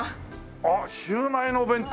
あっシウマイのお弁当？